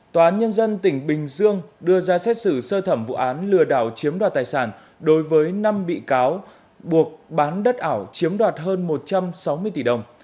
tòa án nhân dân tỉnh bình dương đưa ra xét xử sơ thẩm vụ án lừa đảo chiếm đoạt tài sản đối với năm bị cáo buộc bán đất ảo chiếm đoạt hơn một trăm sáu mươi tỷ đồng